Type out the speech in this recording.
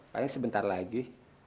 paling sebentar lagi